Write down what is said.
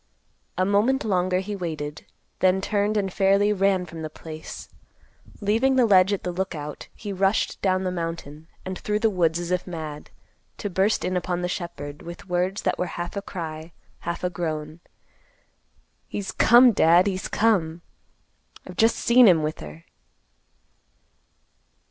A moment longer he waited, then turned and fairly ran from the place. Leaving the ledge at the Lookout, he rushed down the mountain and through the woods as if mad, to burst in upon the shepherd, with words that were half a cry, half a groan. "He's come, Dad; he's come. I've just seen him with her."